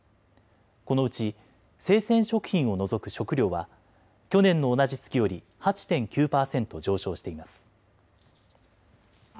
このうち生鮮食品を除く食料は去年の同じ月より８．９％上昇しています。